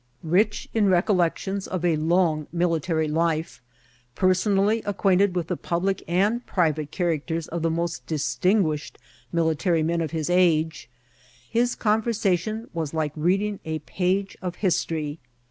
Rich in recollections of a long St INCIDSNTS OP T&ATSL. military Ufe, personally acquainted with the puUie apd private characters of the most distinguished military men of the age, his conversation was like reading a page of history.